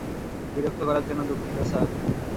বিরক্ত করার জন্য দুঃখিত, স্যার।